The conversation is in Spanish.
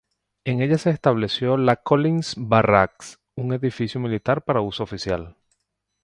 En ella se estableció la Collins Barracks, un edificio militar para uso oficial.